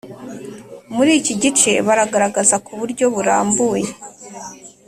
muri iki gice baragaragaza ku buryo burambuye,